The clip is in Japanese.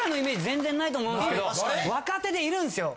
全然ないと思うんですけど若手でいるんですよ。